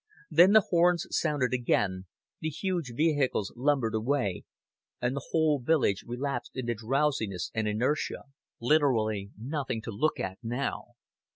Then the horns sounded again, the huge vehicles lumbered away, and the whole village relapsed into drowsiness and inertia. Literally nothing to look at now.